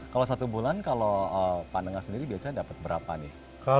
kalau satu bulan kalau pak nengah sendiri biasanya dapat berapa nih